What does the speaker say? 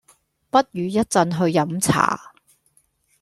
不如一陣去飲茶